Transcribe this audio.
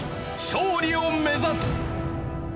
勝利を目指す！